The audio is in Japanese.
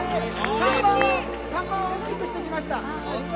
看板は大きくしておきました。